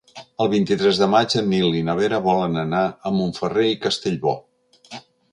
El vint-i-tres de maig en Nil i na Vera volen anar a Montferrer i Castellbò.